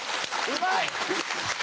うまい！